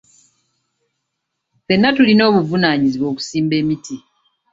Ffenna tulina obuvunaanyizibwa okusimba emiti.